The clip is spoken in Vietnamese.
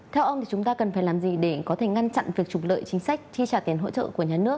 theo ông thì chúng ta cần phải làm gì để có thể ngăn chặn việc trục lợi chính sách chi trả tiền hỗ trợ của nhà nước